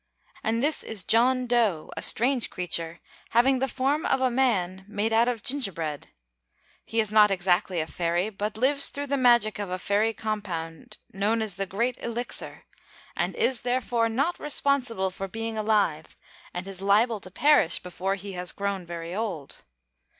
And this is John Dough, a strange creature, having the form of a man, made out of gingerbread. He is not exactly a fairy, but lives through the magic of a fairy compound known as the 'Great Elixir,' and is therefore not responsible for being alive and is liable to perish before he has grown very old.